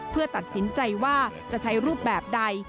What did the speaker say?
เพื่อตัดสินใจว่าจะใช้รูปแบบใด